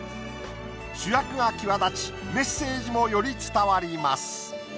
主役が際立ちメッセージもより伝わります。